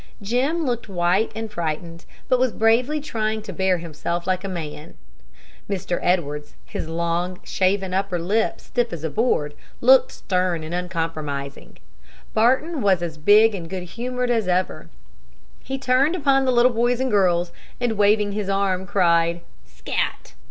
Jim looked white and frightened, but was bravely trying to bear himself like a man. Mr. Edwards, his long, shaven upper lip stiff as a board, looked stern and uncompromising. Barton was as big and good humored as ever. He turned upon the little boys and girls, and, waving his arm, cried, "Scat!"